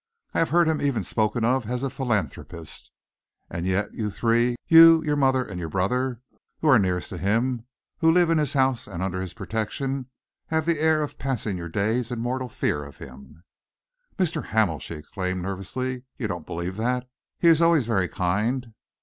I have heard him even spoken of as a philanthropist. And yet you three you, your mother, and your brother, who are nearest to him, who live in his house and under his protection, have the air of passing your days in mortal fear of him." "Mr. Hamel," she exclaimed nervously, "you don't believe that! He is always very kind."